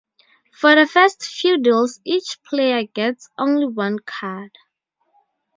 For the first few deals each player gets only one card.